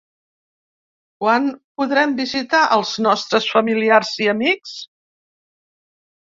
Quan podrem visitar els nostres familiars i amics?